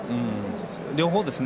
両方ですね。